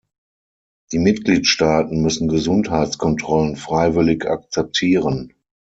Die Mitgliedstaaten müssen Gesundheitskontrollen freiwillig akzeptieren.